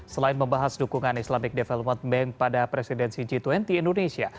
selain membahas dukungan islamic development bank pada presidensi g dua puluh indonesia